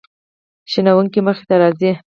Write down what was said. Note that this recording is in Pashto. شنونکو مخې ته راځي.